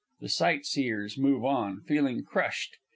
[_The Sightseers move on, feeling crushed.